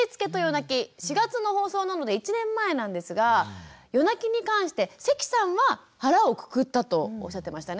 ４月の放送なので１年前なんですが夜泣きに関して関さんは腹をくくったとおっしゃってましたね。